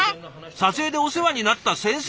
撮影でお世話になった先生